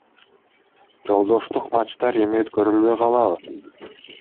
Жолдоштук матчтар эми өткөрүлбөй калабы?